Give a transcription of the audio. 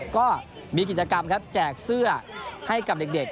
ก็มีกิจกรรมครับแจกเสื้อให้กับเด็ก